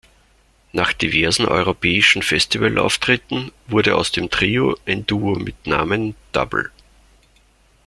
Nach diversen europäischen Festivalauftritten wurde aus dem Trio ein Duo mit Namen Double.